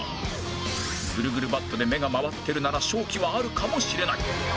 ぐるぐるバットで目が回ってるなら勝機はあるかもしれない